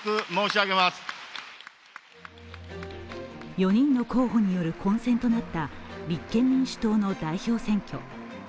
４人の候補による混戦となった立憲民主党の代表選挙。